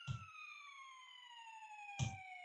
د اخوندصاحب له برکته قدرت ته رسېدلي ول.